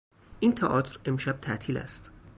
این تئاتر امشب تعطیل است.